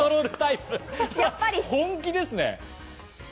本気ですね。